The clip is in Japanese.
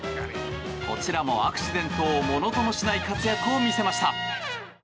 こちらもアクシデントをものともしない活躍を見せました。